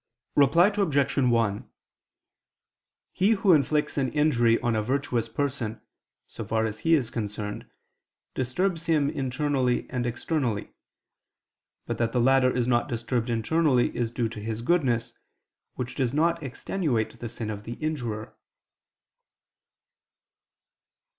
Reply Obj. 1: He who inflicts an injury on a virtuous person, so far as he is concerned, disturbs him internally and externally; but that the latter is not disturbed internally is due to his goodness, which does not extenuate the sin of the injurer.